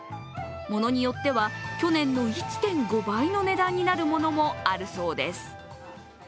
ものによっては去年の１．５倍の値段になるものもあるそうです。